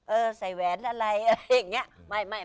เออใส่แหวนอะไรอะไรอย่างเงี้ย